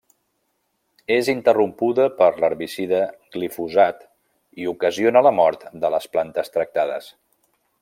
És interrompuda per l'herbicida glifosat i ocasiona la mort de les plantes tractades.